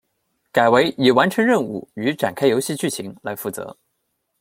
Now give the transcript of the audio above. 改为以完成任务与展开游戏剧情来负责。